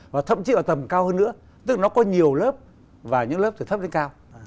và thậm chí ở tầm cao hơn nữa tức nó có nhiều lớp và những lớp từ thấp đến cao